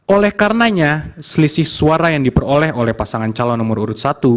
oleh karenanya selisih suara yang diperoleh oleh pasangan calon nomor urut satu